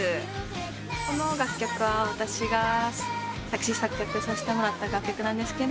この楽曲は私が作詞作曲させてもらった楽曲です。